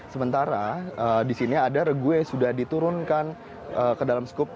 sementara di sini ada regue sudah diturunkan ke dalam skup